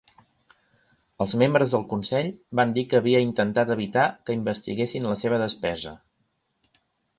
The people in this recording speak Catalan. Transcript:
Els membres del Consell van dir que havia intentat evitar que investiguessin la seva despesa.